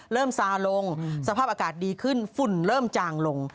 ซาลงสภาพอากาศดีขึ้นฝุ่นเริ่มจางลง